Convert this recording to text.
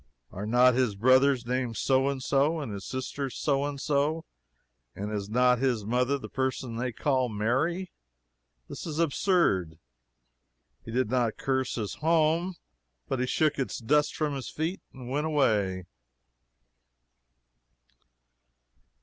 Are not his brothers named so and so, and his sisters so and so, and is not his mother the person they call Mary? This is absurd." He did not curse his home, but he shook its dust from his feet and went away.